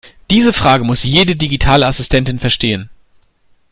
Diese Frage muss jede digitale Assistentin verstehen.